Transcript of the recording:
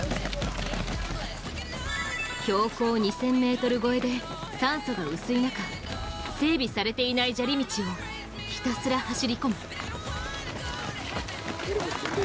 標高２０００ｍ超えで酸素が薄い中整備されていない砂利道をひたすら走り込む。